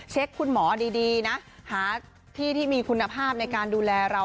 คุณหมอดีนะหาที่ที่มีคุณภาพในการดูแลเรา